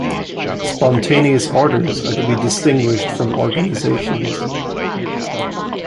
Spontaneous orders are to be distinguished from organizations.